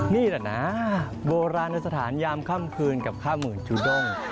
นี่แหละนะโบราณสถานยามค่ำคืนกับข้าวหมื่นจูด้ง